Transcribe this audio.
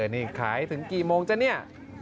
นี่ขายถึงกี่โมงจ๊ะเนี่ย